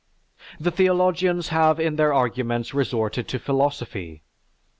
The theologians have in their arguments resorted to philosophy.